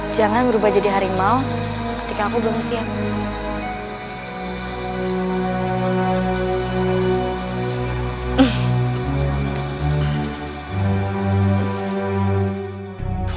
jangan berubah jadi harimau ketika aku belum usia